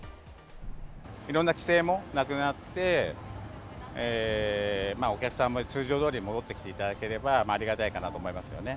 いろんな規制もなくなって、お客さんも通常どおり戻ってきていただければありがたいかなと思いますよね。